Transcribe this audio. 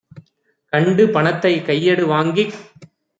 கண்டு பணத்தைக் கையடு வாங்கிக்